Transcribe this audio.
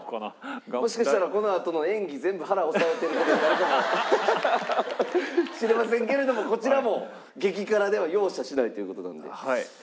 もしかしたらこのあとの演技全部腹押さえてる事になるかもしれませんけれどもこちらも激辛では容赦しないという事なんで。